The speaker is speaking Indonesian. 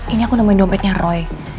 ini aku nemuin dompetnya roy